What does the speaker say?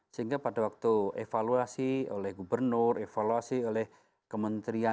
sehingga pada waktu evaluasi oleh gubernur evaluasi oleh kementerian